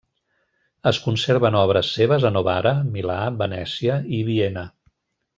Es conserven obres seves a Novara, Milà, Venècia i Viena.